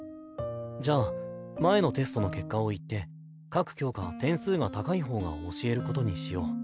じゃあ前のテストの結果を言って各教科点数が高い方が教えることにしよう。